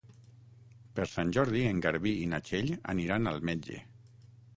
Per Sant Jordi en Garbí i na Txell aniran al metge.